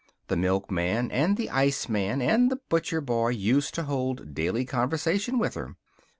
The milkman and the iceman and the butcher boy used to hold daily conversation with her.